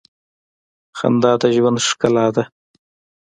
خندا د ژوند ښکلا ده.